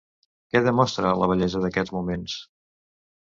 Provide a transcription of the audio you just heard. Què demostra la bellesa d'aquests moments?